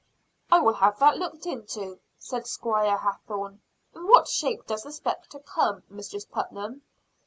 ] "I will have that looked into," said Squire Hathorne. "In what shape does the spectre come, Mistress Putnam?"